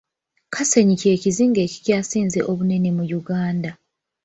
Kasenyi ky'ekizinga ekikyasinze obunene mu Uganda.